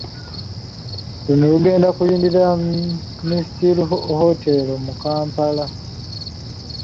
Luno lugenda kuyindira Mestil Hotel mu Kampala.